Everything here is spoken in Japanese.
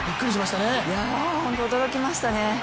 本当に驚きましたね。